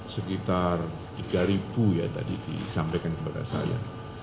sekitar tiga ribu ya tadi disampaikan kepada saya